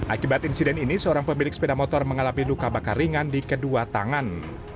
akibat insiden ini seorang pemilik sepeda motor mengalami luka bakar ringan di kedua tangan